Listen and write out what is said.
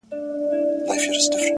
اوس دادی _